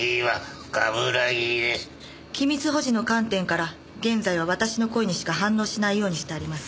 機密保持の観点から現在は私の声にしか反応しないようにしてあります。